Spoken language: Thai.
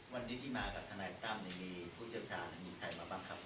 วันนี้ที่มากับทนายตั้มมีผู้เชี่ยวชาญมีใครมาบ้างครับ